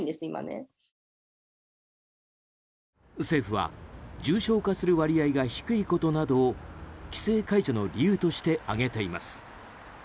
政府は重症化する割合が低いことなどを規制解除の理由として挙げています。